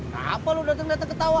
kenapa lo dateng dateng ketawa